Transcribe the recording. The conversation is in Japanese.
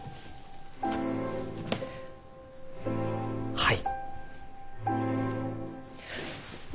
はい。